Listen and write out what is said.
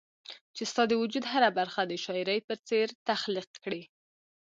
چي ستا د وجود هره برخه د شاعري په څير تخليق کړي